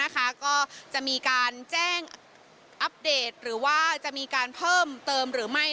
ก็จะมีการแจ้งอัปเดตหรือว่าจะมีการเพิ่มเติมหรือไม่